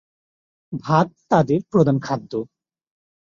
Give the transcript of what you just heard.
ভাত তাদের প্রধান খাদ্য।